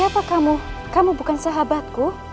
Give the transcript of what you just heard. apa kamu kamu bukan sahabatku